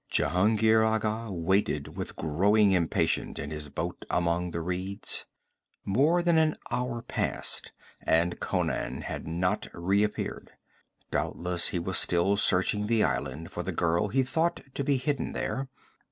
6 Jehungir Agha waited with growing impatience in his boat among the reeds. More than an hour passed, and Conan had not reappeared. Doubtless he was still searching the island for the girl he thought to be hidden there.